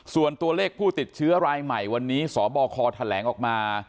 ส่วนตัวเลขผู้ติดเชื้อรายใหม่วันนี้สบคแถลงออกมา